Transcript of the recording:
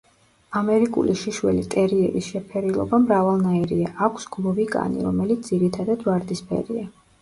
ამერიკული შიშველი ტერიერის შეფერილობა მრავალნაირია, აქვს გლუვი კანი, რომელიც ძირითადად ვარდისფერია.